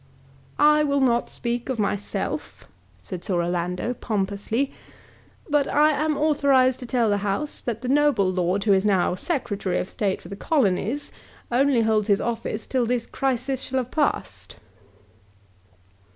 "I will not speak of myself," said Sir Orlando pompously; "but I am authorised to tell the House that the noble lord who is now Secretary of State for the Colonies only holds his office till this crisis shall have passed."